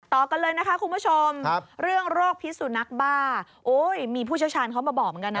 ต่อกันเลยนะคะคุณผู้ชมเรื่องโรคพิสุนักบ้าโอ้ยมีผู้เชี่ยวชาญเขามาบอกเหมือนกันนะ